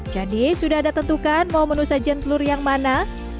jadi sudah ada tentukan mau menu sajian telur yang mana